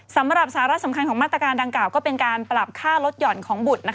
สำหรับสาระสำคัญของมาตรการดังกล่าวก็เป็นการปรับค่าลดหย่อนของบุตร